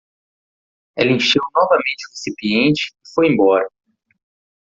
Ela encheu novamente o recipiente e foi embora.